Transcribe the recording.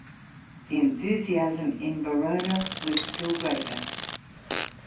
The enthusiasm in Verona was still greater.